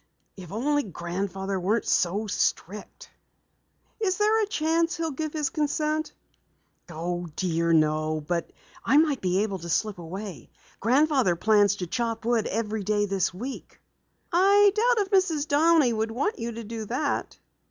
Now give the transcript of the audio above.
If only Grandfather weren't so strict." "Is there a chance he'll give his consent?" "Oh, dear, no. But I might be able to slip away. Grandfather plans to chop wood every day this week." "I doubt if Mrs. Downey would want you to do that."